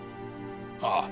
ああ。